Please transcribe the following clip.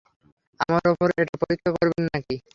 আমার ওপর এটা পরীক্ষা করবেন নাকি?